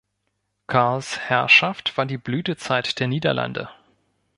Karls Herrschaft war die Blütezeit der Niederlande.